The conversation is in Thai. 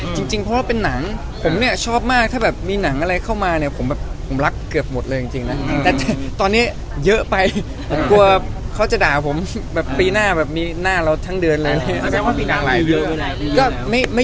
จริงใช่ไม่จริงอยู่ที่ว่าแบบเราจะแบบปรับเป็นยังไง